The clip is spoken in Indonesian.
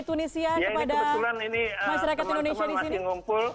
ya ini kebetulan teman teman masih ngumpul